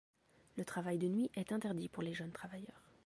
Le travail de nuit est interdit pour les jeunes travailleurs.